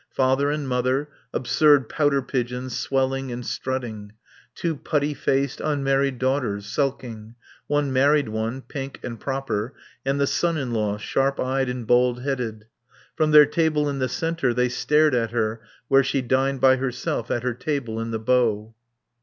Father and mother, absurd pouter pigeons swelling and strutting; two putty faced unmarried daughters, sulking; one married one, pink and proper, and the son in law, sharp eyed and bald headed. From their table in the centre they stared at her where she dined by herself at her table in the bow.